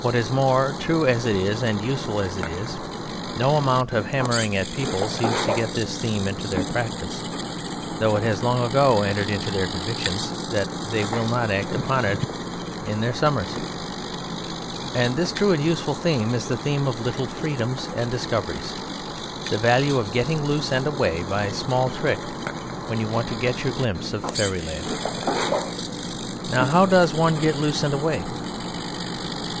What is more, true as it is and useful as it is, no amount of hammering at people seems to get this theme into their practice; though it has long ago entered into their convictions they will not act upon it in their summers. And this true and useful theme is the theme of little freedoms and discoveries, the value of getting loose and away by a small trick when you want to get your glimpse of Fairyland. Now how does one get loose and away?